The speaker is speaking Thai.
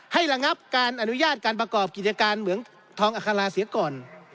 ระงับการอนุญาตการประกอบกิจการเหมืองทองอัคราเสียก่อน